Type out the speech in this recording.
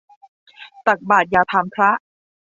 ตักบาตรอย่าถามพระ